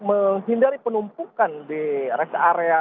menghindari penumpukan di rest area